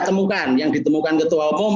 temukan yang ditemukan ketua umum